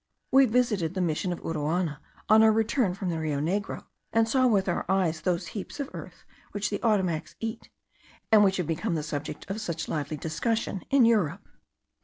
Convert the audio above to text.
We visited the Mission of Uruana on our return from the Rio Negro, and saw with our own eyes those heaps of earth which the Ottomacs eat, and which have become the subject of such lively discussion in Europe.